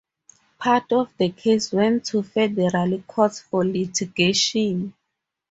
Part of the case went to federal courts for litigation.